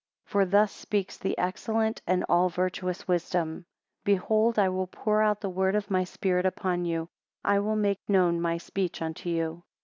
18 For thus speaks the excellent and all virtuous wisdom, Behold I will pour out the word of my spirit upon you, I will make known my speech unto you.